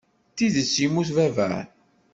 D tidet yemmut baba?